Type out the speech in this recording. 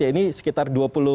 ya ini sekitar dua puluh